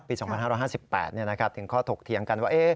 ปี๒๕๕๘ถึงข้อถกเถียงกันว่า